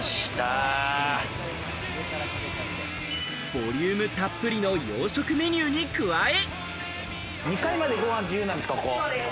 ボリュームたっぷりの洋食メニューに加え。